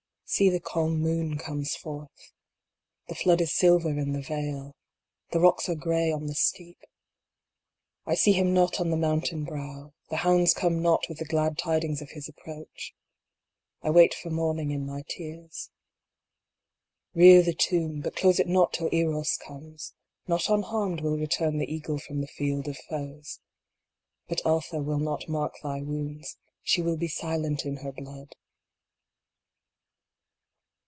See the calm moon comes forth. The flood is silver in the vale. The rocks are gray on the steep. 1 see him not on the mountain brow ; The hounds come not with the glad tidings of his ap proach. I wait for morning in my tears. Rear the tomb, but close it not till Eros comes : Not unharmed will return the eagle from the field of foes. But Atha will not mark thy wounds, she will be silent in her blood.